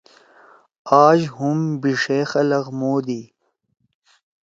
آج ہُم بیِݜے دے خلگ مودی۔